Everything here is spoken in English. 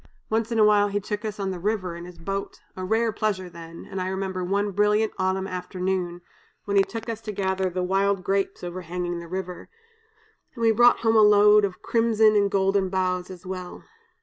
Once in awhile he took us on the river in his boat, a rare pleasure then; and I remember one brilliant autumn afternoon, when he took us to gather the wild grapes overhanging the river, and we brought home a load of crimson and golden boughs as well.